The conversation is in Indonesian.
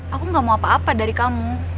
aku gak mau apa apa dari kamu